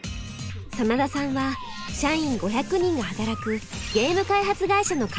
真田さんは社員５００人が働くゲーム開発会社の会長です。